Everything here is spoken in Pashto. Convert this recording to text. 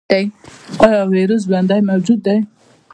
ایا ویروس ژوندی موجود دی؟